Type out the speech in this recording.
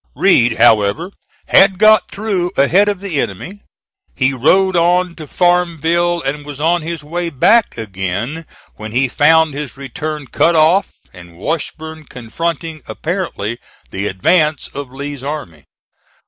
Read, however, had got through ahead of the enemy. He rode on to Farmville and was on his way back again when he found his return cut off, and Washburn confronting apparently the advance of Lee's army.